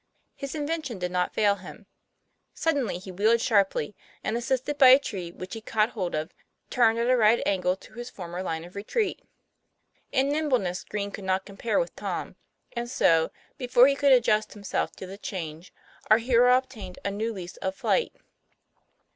His invention did not fail him. Suddenly he wheeled sharply, and, assisted by a tree which he TOM PLA YFAIR. 69 caught hold of, turned at aright angle to his former line of retreat. In nimbleness Green could not compare with Tom ; and so, before he could adjust himself to the change, our hero obtained a new lease of flight.